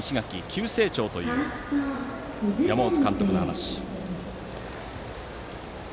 急成長という山本監督の話。